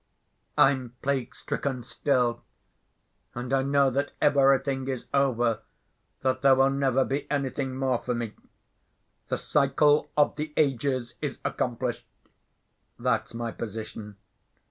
I'm plague‐stricken still, and I know that everything is over, that there will never be anything more for me. The cycle of the ages is accomplished. That's my position.